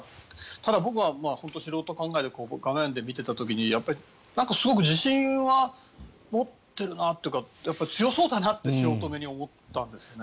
ただ、僕は素人考えで画面で見ていた時にやっぱりすごく自信は持ってるなというか強そうだなと素人目に思ったんですよね。